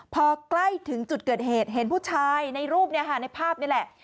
พอใกล้ถึงจุดเกิดเหตุเห็นผู้ชายในรูปในภาพนี่แหละ